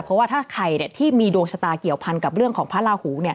เพราะว่าถ้าใครที่มีดวงชะตาเกี่ยวพันกับเรื่องของพระราหู